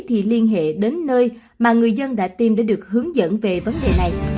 thì liên hệ đến nơi mà người dân đã tìm để được hướng dẫn về vấn đề này